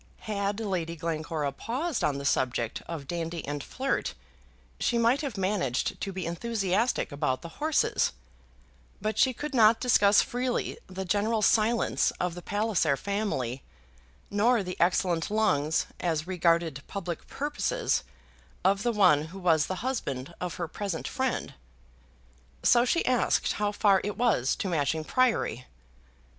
Had Lady Glencora paused on the subject of Dandy and Flirt, she might have managed to be enthusiastic about the horses, but she could not discuss freely the general silence of the Palliser family, nor the excellent lungs, as regarded public purposes, of the one who was the husband of her present friend. So she asked how far it was to Matching Priory.